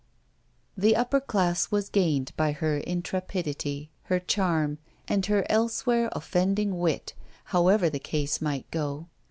The upper class was gained by her intrepidity, her charm, and her elsewhere offending wit, however the case might go.